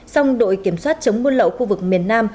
song đội kiểm soát chống buôn lậu khu vực miền nam